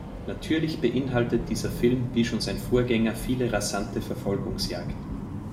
Natürlich beinhaltet dieser Film, wie schon sein Vorgänger, viele rasante Verfolgungsjagden.